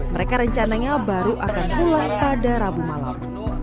mereka rencananya baru akan pulang pada rabu malam